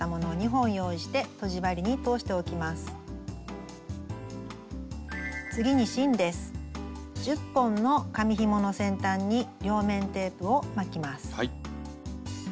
１０本の紙ひもの先端に両面テープを巻きます。